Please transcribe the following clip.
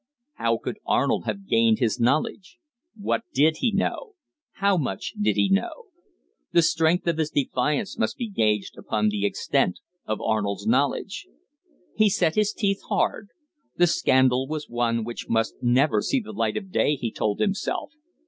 How could Arnold have gained his knowledge? What did he know? How much did he know? The strength of his defiance must be gauged upon the extent of Arnold's knowledge. He set his teeth hard. The scandal was one which must never see the light of day, he told himself.